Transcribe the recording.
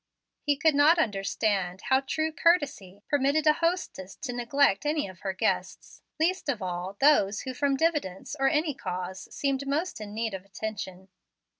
He could not understand how true courtesy permitted a hostess to neglect any of her guests, least of all those who from diffidence or any cause seemed most in need of attention.